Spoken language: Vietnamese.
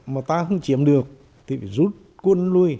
mà ta không chiếm được thì phải rút quân lui